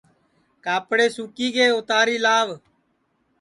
کاپڑے سُکی گے اُتاری لاو